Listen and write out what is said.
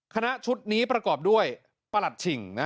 คณะชุดนี้ประกอบด้วยประหลัดฉิ่ง